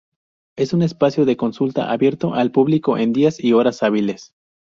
Es un espacio de consulta abierto al público en días y horas hábiles.